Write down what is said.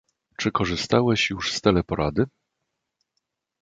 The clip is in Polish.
Czy korzystałeś już z teleporady?